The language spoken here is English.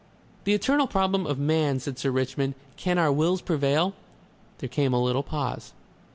"The eternal problem of man," said Sir Richmond. "Can our wills prevail?" There came a little pause.